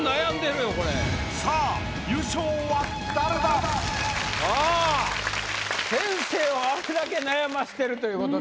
さぁ優勝は誰だ⁉先生をあれだけ悩ませてるということで。